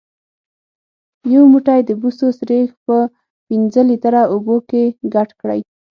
یو موټی د بوسو سريښ په پنځه لیتره اوبو کې ګډ کړئ.